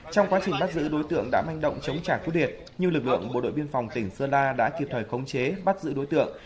trong quá trình bắt giữ đối tượng đã manh động chống trả khu điệt nhưng lực lượng bộ đội biên phòng tỉnh sơ la đã kịp thời khống chế bắt giữ đối tượng